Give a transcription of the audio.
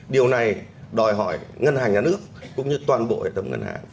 điều này đòi hỏi ngân hàng nhà nước cũng như toàn bộ hệ thống ngân hàng